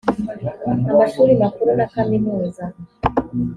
amashuri makuru na kaminuza.